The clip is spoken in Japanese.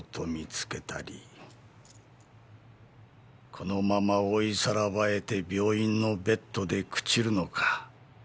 このまま老いさらばえて病院のベッドで朽ちるのか。